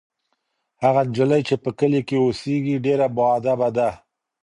هغه نجلۍ چې په کلي کې اوسیږي ډېره باادبه ده.